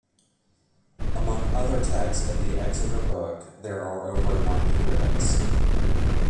Among the other texts in the Exeter Book, there are over ninety riddles.